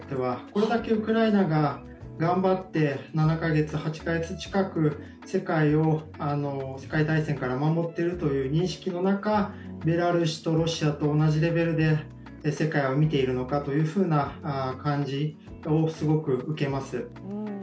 これだけウクライナが頑張って７か月、８か月近く世界を、世界大戦から守っているという認識の中ベラルーシとロシアと同じレベルで世界を見ているのかという感じをすごく受けます。